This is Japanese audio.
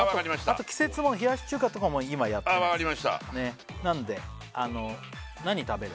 あと季節もの冷やし中華とかも今やってないですわかりましたなので何食べる？